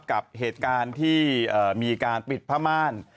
กับเหตุการณ์ที่มีการปิดผ้าม่าน